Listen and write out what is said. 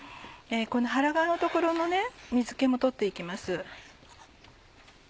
この腹側の所の水気も取って行きます。